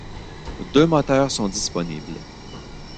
Deux moteurs sont disponibles.